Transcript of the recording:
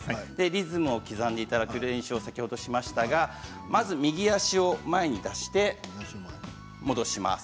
リズムを刻んでいただくポーズをしましたけど右足をまず前に出して戻します。